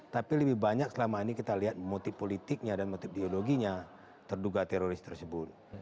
tapi lebih banyak selama ini kita lihat motif politiknya dan motif ideologinya terduga teroris tersebut